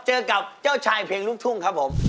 เจอกับเจ้าชายเพลงลูกทุ่งครับผม